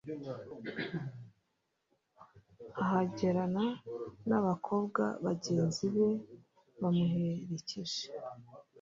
ahagerana n'abakobwa, bagenzi be bamuherekeje